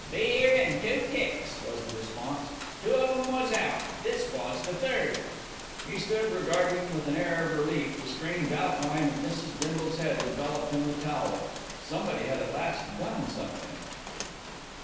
"Be 'ere in two ticks," was the response. "Two of 'em was out, this was the third." He stood regarding with an air of relief the strange outline of Mrs. Bindle's head enveloped in the towel. Someone had at last done something.